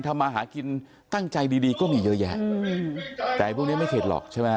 ทำมาหากินตั้งใจดีดีก็มีเยอะแยะแต่พวกนี้ไม่เข็ดหรอกใช่ไหม